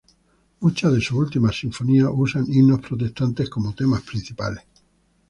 Muchas de sus últimas sinfonías usan himnos protestantes como temas principales.